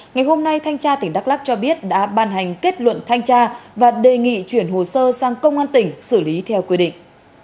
ngày hôm nay thanh tra tỉnh đắk lắc cho biết đã ban hành kết luận thanh tra và đề nghị chuyển hồ sơ sang công an tỉnh xử lý theo quy định